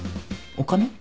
お金？